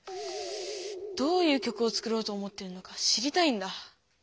どういう曲を作ろうと思ってるのか知りたいんだ。